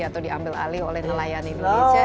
atau diambil alih oleh nelayan indonesia